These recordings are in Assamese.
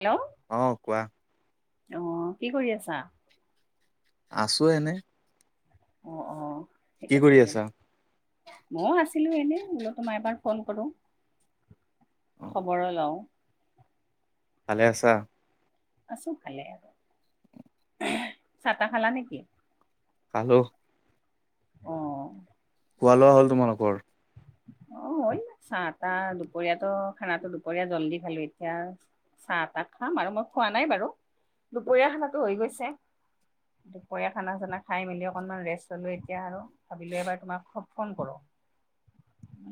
হেল্ল'? অ কোৱা? অ কি কৰি আছা? আছো এনে। অ অ ঠিক কি আছে কৰি দিয়া। আছা ময়ো আছিলোঁ এনেই বোলো তোমাৰ এবাৰ ফোন কৰোঁ অ খবৰো লওঁ। ভালে আছা? আছো ভালে আৰু। এহ চাহ -তাহ খালা নেকি? খালো। অ' খোৱা ঠিকে লোৱা আছে হ'ল তোমালোকৰ? অ হয় চাহ -তাহ দুপৰীয়াতো খানাটো দুপৰীয়া জল্দি খালো এতিয়া চাহ তাহ খাম আৰু মই খোৱা নাই বাৰু? দুপৰীয়া খানাতো হৈ গৈছে। দুপৰীয়া খানা চানা খাই মেলি অকণমান ৰেষ্ট হ'লোঁ এতিয়া আৰু ভাবিলোঁ এবাৰ তোমাক খ ফোন কৰোঁ,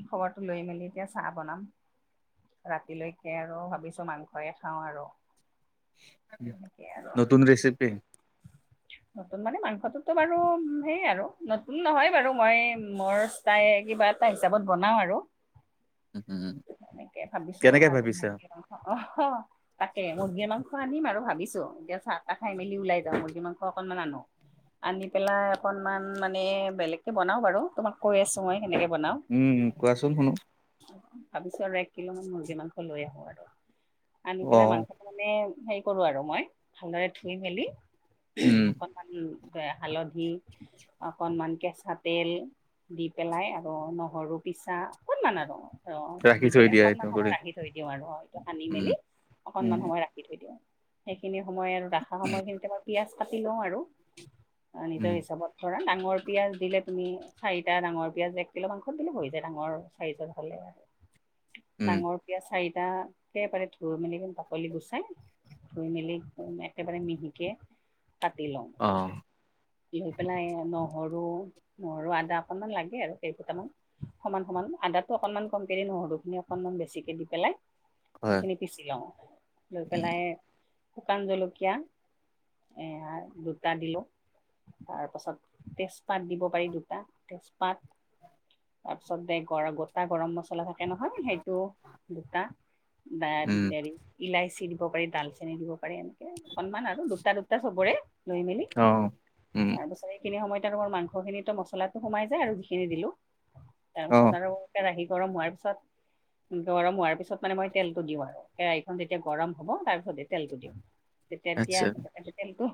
খবৰটো লৈ মেলি এতিয়া চাহ বনাম। ৰাতিলৈকে আৰু ভাবিছো মাংসয়ে খাওঁ আৰু। তেনেকে আৰু নতুন ৰেচিপি [inaudible] নতুন মানে মাংসটোতো বাৰু সেইয়ে আৰু নতুন নহয় বাৰু মই মোৰ তাই কিবা এটা হিচাপত বনাও আৰু উম এনেকে ভাবিছোঁ কেনেকে আজি ভাবিছা? মুৰ্গী অ মাংস তাকে মুৰ্গীৰ মাংস আনিম আৰু ভাবিছো এতিয়া চাহ তাহ খাই মেলি ওলাই যাওঁ মুৰ্গী মাংস অকণমান আনো আনি পেলাই অকনমান মানে বেলেগকে বনাও বাৰু তোমাক কৈ আছো মই কেনেকে বনাও উম কোৱাচোন শুনো ভাবিছো আৰু এক কিলো মান মুৰ্গী মাংস লৈ আহো আৰু আনি পেলাই অ মাংস মানে হেৰি কৰো আৰু মই ভালদৰে ধুই মেলি উম উহুম অকণমান হালধি, অকণমান কেঁচা তেল দি পেলাই আৰু নহৰু পিছা অকণমান আৰু। অ ৰাখি দি থৈ পেলাই দিয়া এইটো অকনমান কৰি সময় ৰাখি থৈ দিওঁ আৰু অ এইটো সানি উম মেলি উম অকনমান সময় ৰা থাকি থৈ দিওঁ, সেইখিনি সময় আৰু ৰাখা সময়খিনিতে মই পিয়াজ কাটি লওঁ আৰু। আ উম নিজৰ হিচাবত ধৰা ডাঙৰ পিয়াঁজ দিলে তুমি চাৰিটা ডাঙৰ পিয়াজ এক কিলো মাংসত দিলে হৈ যায় ডাঙৰ চাৰিজনত হলে আৰু। উম ডাঙৰ পিয়াজ চাৰিটাকে মানে ধুই মেলি পিনি বাকলি গুচাই ধুই মেলি একেবাৰে মিহিকে কাটি লও অ লৈ পেলাই নহৰু নহৰু, আদা অকণমান লাগে আৰু কেইফোটামান সমান সমান আদাতো অকনমান কমকে দি নহৰু অকনমান বেছিকে দি পেলাই হয় সেইখিনি পিচি লওঁ লৈ উম পেলাই শুকান জলকীয়া এ দুটা দিলো তাৰ পাছত তেজপাত দিব পাৰি দুটা তেজপাত তাৰপিছত দে গৰ গোটা গৰম মছলা থাকে নহয় সেইটো গোটা দাক উম দেৰি ইলাচি দিব পাৰি ডালচেনি দিব পাৰি এনেকে অকনমান আৰু দু দুটা দুটা চবৰে লৈ মেলি অ উম তাৰ পাছৰে সেইখিনি সময়ত তোমাৰ মাংসখিনিতো মছলাটো সোমাই যায় আৰু যিখিনি দিলোঁ, অ তাৰপিছত আৰু কেৰাহি গৰম হোৱাৰ পিছত গৰম হোৱাৰ পিছত মানে মই তেলটো দিওঁ আৰু কেৰাহিখন যেতিয়া গৰম হব তাৰ পিছতে তেলটো দিওঁ তেতিয়া আচ্ছা তেলটো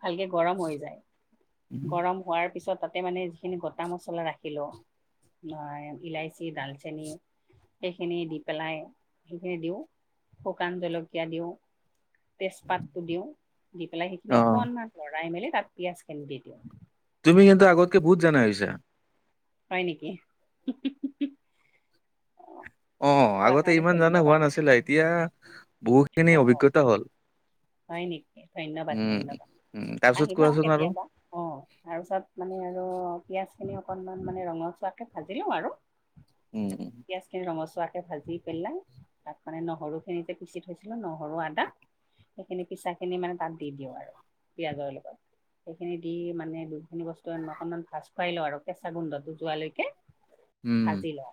ভালকে গৰম হৈ যায় উম, গৰম হোৱাৰ পিছত তাতে মানে যিখিনি গোটা মছলা ৰাখিলোঁ। নাই ইলাচি দালচেনী সেইখিনি দি পেলাই সেইখিনি দিওঁ শুকান জলকীয়া দিওঁ তেজপাতটো দিও দি পেলাই সেইখিনি অ অকণমান লৰাই মেলি তাত পিয়াজখিনি দি দিওঁ তুমি কিন্তু আগতকে বহুত জনা হৈছে। হয় নেকি হো হো হো অ অ কোৱা আগতে কাৰণে ইমান জানা হোৱা ধন্যবাদ নাছিলে এতিয়া বহু খিনি অ' অভিজ্ঞতা হ'ল। হয় নেকি ধন্যবাদ উম ধন্যবাদ উম তাৰপিছত আহিবা কোৱাচোন আৰু কেতিয়াবা অ তাৰপিছত মানে আৰু পিয়াজখিনি অকণমান মানে ৰঙচুৱাকে ভাজি লওঁ আৰু উম উম পিয়াজ খিনি ৰঙচুৱা কে ভাজি পেলাই তাত মানে নহৰু খিনি যে পিচি থৈছিলো নহ নহৰু আদা সেইখিনি পিচা খিনি মানে তাত দি দিওঁ আৰু পিয়াজৰ লগত সেইখিনি দি মানে দুইখিনি বস্তু অকনমান ভাজ খুৱাই লওঁ আৰু কেঁচা গোন্ধটো যোৱালৈকে উম, ভাজি লওঁ।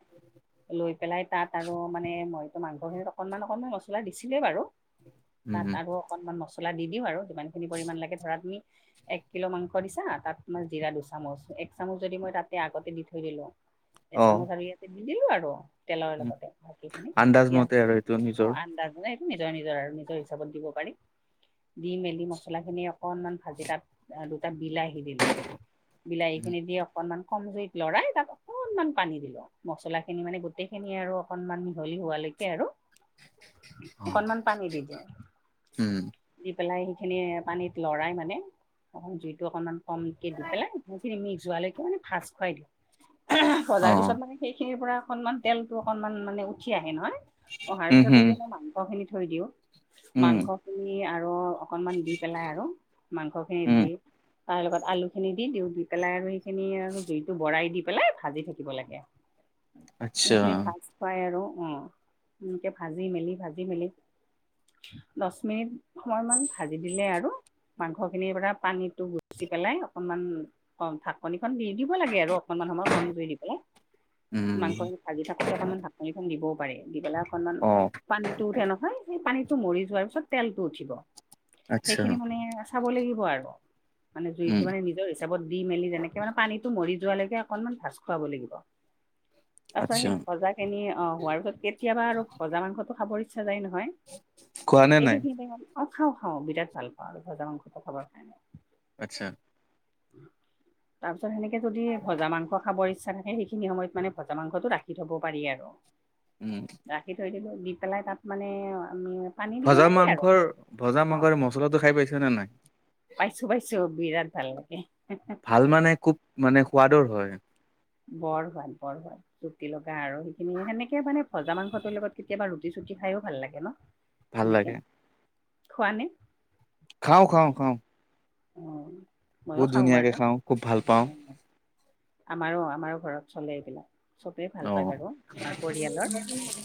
লৈ পেলাই তাত আৰু মানে মইতো মাংসখিনিত অকণমান অকণমান মছলা দিছিলোৱেই বাৰু তাত উম। আৰু অকনমান মছলা দি দিওঁ আৰু যিমানখিনি পৰিমাণ লাগে ধৰা তুমি এক কিলো মাংস দিছা তাত মই জিৰা দুচামুচ এক চামুচ যদি মই তাতে আগতে দি থৈ দিলো। অ', এচামুচ আৰু ইয়াতে দিদিলো আৰু তেলৰ উম, লগতে বাকীখিনি আন্দাজ পিয়াজ মতে আৰু এইটো অ নিজৰ। আন্দাজে নিজৰ নিজৰ নিজৰ হিচাপত দিব পাৰি দি মেলি মছলা খিনি অকনমান ভাজি তাত দুটা বিলাহী দিলো বিলাহী উম, খিনি দি অকনমান কম জুইত লৰাই তাত অক অকনমান পানী দিলো মছলা খিনি মানে গোটেই খিনি আৰু অকনমান মিহলি হোৱালৈকে আৰু। অ', অকনমান পানী দি দিওঁ উম, দি পেলাই সেইখিনি পানীত লৰাই মানে অক জুইটো অকনমান কমকে দি পেলাই সেইখিনি মিক্স যোৱালৈকে মানে ভাজ খুৱাই দিওঁ। অ, ভজাৰ পিছত মানে সেইখিনিৰ পৰা অকনমান তেলতটো অকনমান মানে উঠি আহে নহয়। অহাৰ উম, পিছতে হুম, যে মাংস খিনি থৈ দিওঁ উম, মাংস খিনি আৰু অক অলমান দি পেলাই আৰু মাংস খিনি উম, দি তাৰ লগত আলু খিনি দি দিওঁ দি পেলাই আৰু সেইখিনি আৰু জুইটো বৰাই দি পেলাই ভাজি থাকিব লাগে। আচ্ছা, নিখিৰি ভাজ খোৱাই আৰু অ এনেকে ভাজি মেলি ভাজি দি মেলি দহ মিনিট সময় মান ভাজি দিলে আৰু। মাংসখিনিৰ পৰা পানীটো গুচি পেলাই অকনমান অ ঢাকনিখন দি দিব লাগে আৰু অকণমান সময় কম জুই দি পেলাই। মাংস উম। ভাজি থাকোতে অকণমান ঢাকনিখন দিবও পাৰে দি পেলাই অকনমান অ'। পানী টো উঠে নহয় সেই পানীটো মৰি যোৱাৰ পিছত তেলটো উঠিব। আচ্ছা, সেইখিনি মানে চাব লাগিব আৰু মানে উম, জুইটো মানে নিজৰ ইচ- হিচাপত দি মেলি যেনেকে মানে পানীটো মৰি যোৱালৈকে অকনমান ভাজ খুৱাব লাগিব। তাৰ পিছত আচ্ছা, সেই ভজা খিনি অ হোৱাৰ পিছত কেতিয়াবা আৰু ভজা মাংসটো খাবৰ ইচ্ছা যায় খোৱা নে নহয়। নাই? এইখিনিতে অ খাওঁ খাওঁ বিৰাট ভাল পাওঁ আৰু ভজা মাংসটো খাবৰ কাৰণে। আত্চ্ছা। তাৰ পিছত সেনেকে যদি ভজা মাংস খাবৰ ইচ্ছা থাকে সেইখিনি সময়ত মানে ভজা মাংসতটো ৰাখি থ'ব পাৰি আৰু। উম। ৰাখি থৈ দিলোঁ দি পেলাই তাত মানে আমি পানী দিব ভজা লাগে আৰু মাংসৰ ভজা মাংসৰে মছলাটো খাই পাইছা নে নাই? পাইছো পাইছো বিৰাট ভাল লাগে। ভাল মানে খুব মানে সোৱাদৰ হয়। বৰ সোৱাদ বৰ সোৱাদ। ৰুটি লগা আৰু সেইখিনি সেনেকে মানে ভজা মাংসটোৰ লগত কেতিয়াবা ৰুটি চুটি খায়ো ভাল লাগে ন। ভাল লাগে। সেনেকে খোৱা নে? খাওঁ খাওঁ খাওঁ। অ' ময়ো বহুত বাৰু। ধুনীয়াকে খাওঁ, খুব ভাল পাওঁ। অ' আমাৰো আমাৰো ঘৰত চলে এইবিলাক চবে ভাল পায় অ', বাৰু আমাৰ পৰিয়ালৰ।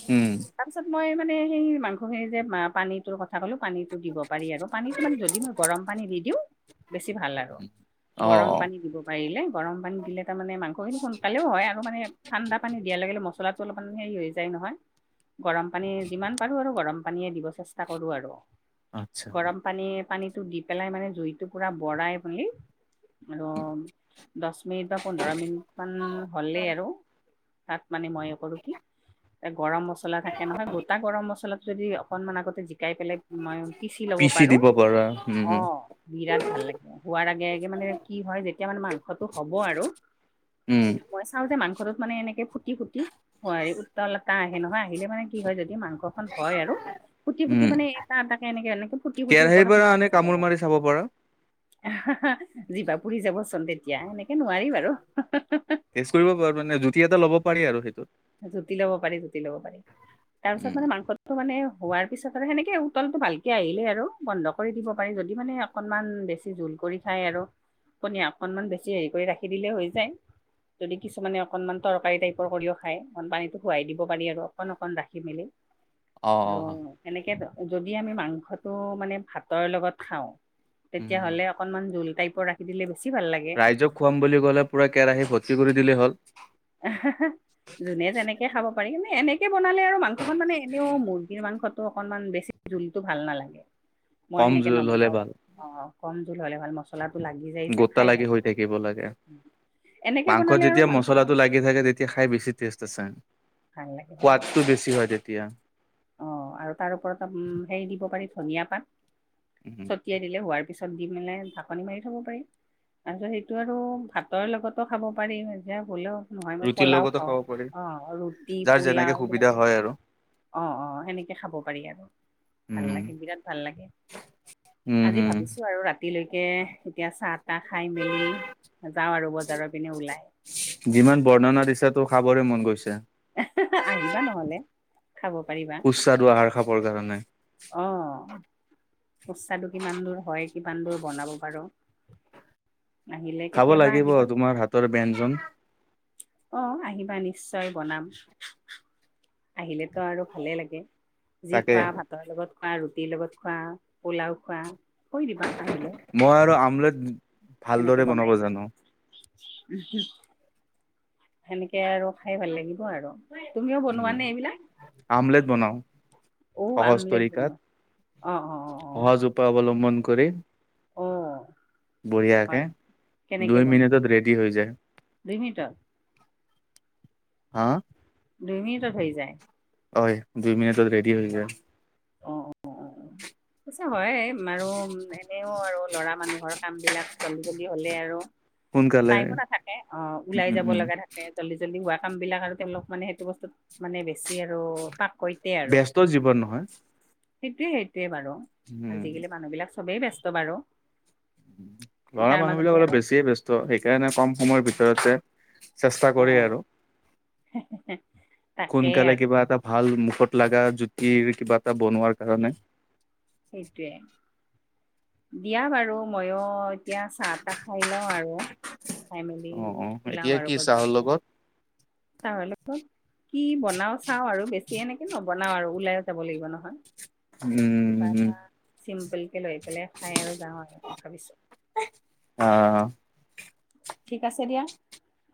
উম। তাৰ পিছত মই মানে সেই মাংসখিনি যে পানীটোৰ কথা ক'লো পানীতটো দিব পাৰি আৰু। পানীটো মানে যদি মই গৰম পানী দি দিওঁ। বেছি ভাল আৰু গৰম অ', পানী দিব পাৰিলে গৰম পানী দিলে তাৰমানে মাংস খিনি সোনকালেও হয় আ- আৰু মানে ঠাণ্ডা পানী দিয়াৰ লগে লগে মছলাটো অলপমান হেৰি হৈ যায় নহয়। গৰম পানী যিমান পাৰো আৰু গৰম পানীয়ে দিব চেষ্টা কৰো আৰু। আত্চ্ছা। গৰম পানী পানীতটো দি পেলাই মানে জুইতটো পুৰা বৰাই মেলি আৰম- দছ মিনিট বা পোন্ধৰ মিনিট মান হ'লেই আৰু তাত মানে মই কৰো কি এ গৰম মছলা থাকে নহয় গোটা গৰম মছলাটো যদি অক- অকনমান আগতে জিকাই পেলাই মই পিচি ল'ব পাৰো, দিব পাৰা, উম, অ। উম, বিৰাট ভাল লাগে হোৱাৰ আগে আগে মানে কি হয় যেতিয়া মানে মাংসটো হ'ব আৰু। উম। মই চাওঁ যে মাংসটোত মানে এনেকে ফুটি ফুটি হোৱাৰে উত্তাল এটা আহে নহয় আহিলে মানে কি হয় যদি মাংসখন হয় আৰু। ফুটি ফুটি উম। মান এটা এটাকে এনেকে এনেকে ফুটি ফুটিৰ ওপৰ ফালে গুছি যায় আৰু। ব পাৰা। জিবা পুৰি যাবচোন তেতিয়া সেনেকে নোৱাৰি বাৰু। টেষ্ট কৰিব পাৰ মানে জুতি এটা ল'ব পাৰি আৰু সেইটো। জুতি ল'ব পাৰি জুতি ল'ব পাৰি তাৰ পিছত উম, মানে মাংস টো মানে হোৱাৰ পিছত আৰু সেনেকে উতলটো ভালকে আহিলে আৰু বন্ধ কৰি দিব পাৰি যদি মানে অকনমান বেছি জোল কৰি খাই আৰু পনীয়া অকনমান বেছি হেৰি কৰি ৰাখি দিলে হৈ যায়। যদি কিছুমানে অকনমান তৰকাৰী টাইপৰ কৰিও খায় গন পানীটো শোৱাই দিব পাৰি আৰু অকণ অকণ ৰাখি মেলি আৰু। অ', সনেকে যদি আমি মাংসটো মানে ভাতৰ লগত খাওঁ। উম। তেতিয়াহ'লে অক- অকমান জোল টাইপ ৰাখি দিলে বেছি ভাল লাগে। ৰাইজক খুৱাম বুলি ক'লে পুৰা কেৰাহী ভৰ্তি কৰি দিলেই হ'ল। যোনে যেনেকে খাব পাৰি নে এনেকে কে বনালে আৰু মাংসখন মানে এনেও মুৰ্গীৰ মাংসটো অকনমান বেছি জোলটো ভাল নালাগে। মই কম সেনেকে জোল হ'লে নবনাও বা, ভাল। অ কম জোল হলে হল মছলাটো লাগি যায় যে গোটা খাই ভাল হৈ লাগে। থাকিব লাগে এনেকে বনালে আৰু মাংস খ লাগে থাকে তেতিয়া খাই বেছি টেষ্ট আছে ভাল লাগে ভালে সোৱাদতটো বেছি হয় তেতিয়া অ আৰু তাৰ ওপৰত হেৰি দিব পাৰি ধনিয়া পাত উম, ছটিয়াই দিলে হোৱাৰ তাৰ পিছত দি মেলাই ঢাকনি মাৰি থ'ব পাৰি তাৰপিছত সেইটো আৰু ভাতৰ লগতো খাব পাৰি যেতিয়া হলেও নহয় মই ৰুটিৰ পোলাও লগতো খাব পাৰি খাওঁ অ ৰুটি যাৰ যেনেকে পোলাও সুবিধা এইবিলাক হয় আৰু। অ অ সেনেকে খাব পাৰি আৰু ভাল উম, লাগে বিৰাট ভাল লাগে উম, আজি হুম, ভাবিছোঁ আৰু ৰাতি ৰাতিলৈকে এতিয়া চাহ তাহ খাই মেলি যাওঁ আৰু বজাৰৰ পিনে ওলাই যিমান বৰ্ণনা দিছে তো খাবৰে মন গৈছে। আহিবা নহ'লে খাব পাৰিবা সুস্বাস্থ্যৰ আহাৰ খাবৰ কাৰণে। অ সুস্বাদু কিমান দূৰ হয় কিমান দূৰ বনাব পাৰো আহিলে খাব কেতিয়াবা লাগিব আহিবা তোমাৰ হাতৰ ব্যঞ্জন, অ আহিবা নিশ্চয় বনাম আহিলেতো আৰু ভালেই লাগে যি তাকে। খোৱা ভাতৰ লগত খোৱা ৰুটিৰ লগত খোৱা পোলাও খোৱা কৈ দিবা আহিলে মই আৰু আমলেট সেনেকে ভালদৰে বনাব বনাই জানো ও হু সেনেকে আৰু খাই ভাল লাগিব আৰু তুমিও উম বনোৱানে এইবিলাক, আমলেট বনাওঁ অ সহজ আমলেট তৰিকাত বনোৱা অ অ অ সহজ অ উপায় অৱলম্বন কৰি অ বঢ়িয়াকে হয় কেনেকে দুই বনোৱা মিনিটত ৰেডি হৈ যায়। দুই মিনিটত হা দুই মিনিটত হৈ যায় হয় দুই মিনিটত ৰেডি হৈ যায়। অ অ অ অ পিছে হয়ে আৰু এনেও আৰু ল'ৰা মানুহৰ কাম বিলাক জল্দি জল্দি হ'লে আৰু সোনকালে টাইমো নাথাকে অ উম ওলাই যাব উম উম লগা থাকে জল্দি জল্দি হোৱা কাম বিলাক আৰু তেওঁলোক মানে সেইটো বস্তুত মানে বেছি আৰু পাকৈত ব্যস্ত জীৱন নহয় সেইটোৱে সেইটোৱে বাৰু উম আজিকালি মানুহবিলাক চবেই ব্যস্ত বাৰু গাঁৱৰ তাৰ মানুহ মাজতে বিলাক অলপ আৰু বেছিয়ে ব্যস্ত সেইকাৰণে কম সময়ৰ ভিতৰতে চেষ্টা অ কৰে আৰু তাকেই সোনকালে আৰু কিবা এটা ভাল মুখত লগা জুতিৰ কিবা এটা বনোৱাৰ কাৰণে সেইটোৱে দিয়া বাৰু ময়ো এতিয়া চাহ তাহ খাই লওঁ আৰু খাই মেলি অ অ ওলাও এতিয়া আৰু কি চাহৰ বজাৰৰ লগত পৰা কি বনাও চাও আৰু বেছিয়ে এনেকে নবনাও আৰু ওলাইও যাব লাগিব নহয়। উম কিবা এটা চিম্পুল কে লৈ পেলাই খাই আৰু যাওঁ আৰু ভাবিছো। [unintelligible] অ। ঠিক আছে দিয়া।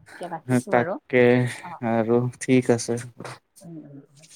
এতিয়া অ ৰাখিছো বাৰু তাকে অ আৰু ঠিক আছে। [unintelligible]